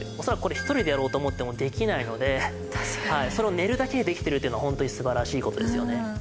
恐らくこれ１人でやろうと思ってもできないのでそれを寝るだけでできてるっていうのはホントに素晴らしい事ですよね。